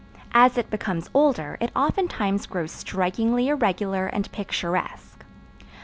As it becomes older it oftentimes grows strikingly irregular and picturesque.